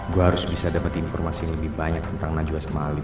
gue harus bisa dapat informasi yang lebih banyak tentang najwa sama ali